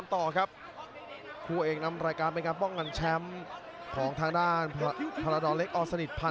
นี่ครับหัวมาเจอแบบนี้เลยครับวงในของพาราดอลเล็กครับ